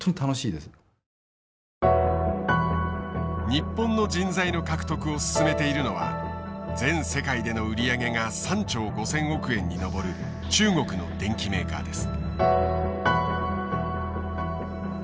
日本の人材の獲得を進めているのは全世界での売り上げが３兆５，０００億円に上る中国の電機メーカーです。